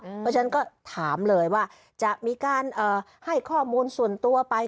เพราะฉะนั้นก็ถามเลยว่าจะมีการให้ข้อมูลส่วนตัวไป